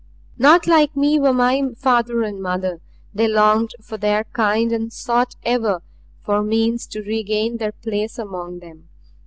"Not like me were my father and mother. They longed for their kind and sought ever for means to regain their place among them.